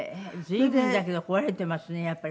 随分だけど壊れてますねやっぱり。